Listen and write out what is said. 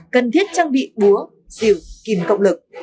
cần thiết trang bị búa siêu kìm cộng lực